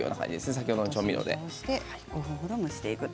先ほどの調味料で。